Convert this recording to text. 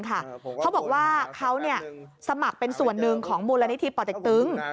เขาบอกว่าเขาสมัครเป็นส่วนหนึ่งของมูลนิธิป่อเต็กตึง